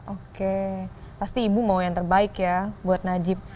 oke pasti ibu mau yang terbaik ya buat najib